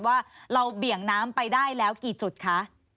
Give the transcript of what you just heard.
ว่าเราเบี่ยงน้ำไปได้แล้วกี่จุดคะ